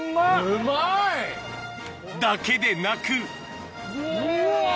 うまい！だけでなくうわ！